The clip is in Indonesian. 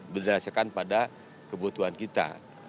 berdasarkan pada kebutuhan kita